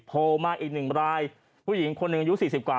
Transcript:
โผล่มาอีกหนึ่งรายผู้หญิงคนหนึ่งอายุ๔๐กว่า